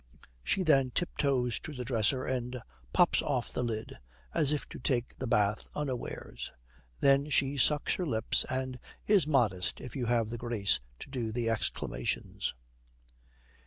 She then tiptoes to the dresser and pops off the lid, as if to take the bath unawares. Then she sucks her lips, and is modest if you have the grace to do the exclamations.